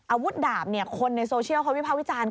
อาวุธดาบคนในโซเชียลเขาวิภาควิจารณ์